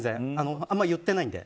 あんまり言ってないので。